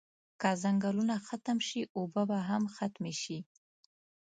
که ځنګلونه ختم شی اوبه به هم ختمی شی